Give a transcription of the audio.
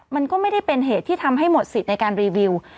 มันก็ไม่ได้เป็นเหตุที่ทำให้หมดสิทธิ์ในการรีวิว